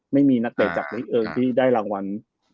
ไม่มีนักเตะจากลีกเอิงที่ได้รางวัล